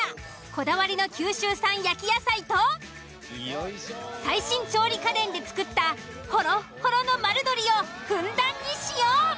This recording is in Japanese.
こだわりの九州産焼き野菜と最新調理家電で作ったホロッホロの丸鶏をふんだんに使用。